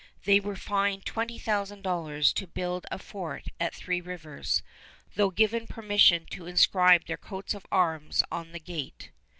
They were fined $20,000 to build a fort at Three Rivers, though given permission to inscribe their coats of arms on the gate.